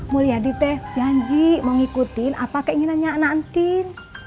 mulia di teh janji mau ngikutin apa keinginannya na'antin